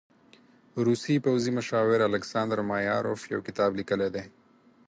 روسي پوځي مشاور الکساندر مایاروف يو کتاب لیکلی دی.